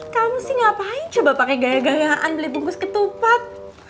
kamu sih ngapain coba pakai gaya gayaan beli bungkus ketupat